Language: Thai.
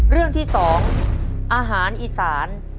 เรื่องที่๒อาหารอีสาน